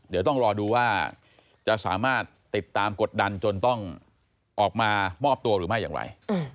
เดี๋ยวต้องรอดูว่าจะสามารถติดตามกดดันจนต้องออกมามอบตัวหรือไม่อย่างไร